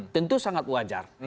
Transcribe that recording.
tentu sangat wajar